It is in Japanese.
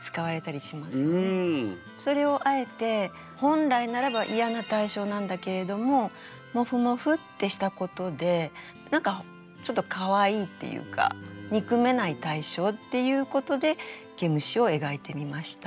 それをあえて本来ならばイヤな対象なんだけれども「もふもふ」ってしたことで何かちょっとかわいいっていうか憎めない対象っていうことで「毛虫」を描いてみました。